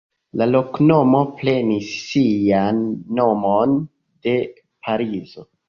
La loknomo prenis sian nomon de Parizo.